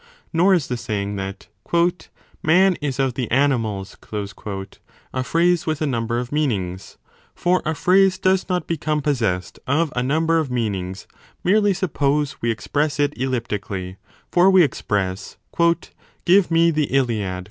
Nor is the saying that Man is of the animals a phrase with a number of meanings : for a phrase does not become possessed of a number of meanings merely suppose a we express it elliptically : for we express Give me the 1 l8o a 5.